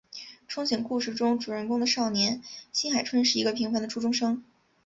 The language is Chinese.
憧憬故事中主人公的少年新海春是个平凡的初中生。